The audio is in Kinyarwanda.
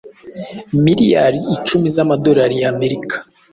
miliyari icumi z’amadorari ya Amerika